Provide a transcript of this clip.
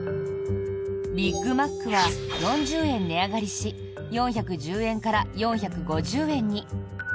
ビッグマックは４０円値上がりし４１０円から４５０円に！